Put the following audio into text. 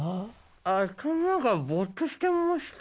頭がぼっとしてまして。